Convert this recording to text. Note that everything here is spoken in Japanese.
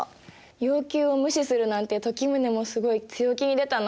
要求を無視するなんて時宗もすごい強気に出たな。